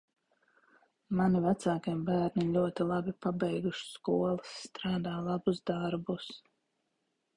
Mani vecākie bērni ir ļoti labi pabeiguši skolas, strādā labus darbus.